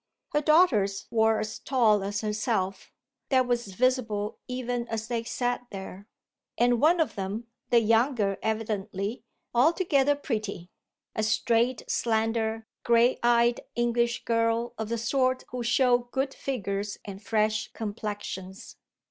Her daughters were as tall as herself that was visible even as they sat there and one of them, the younger evidently, altogether pretty; a straight, slender, grey eyed English girl of the sort who show "good" figures and fresh complexions.